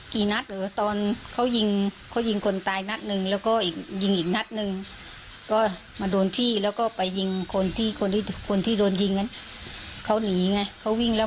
ที่ศพเขาตรงนั้นแล้วเขามายิงซ้ำเจ๋ยเลย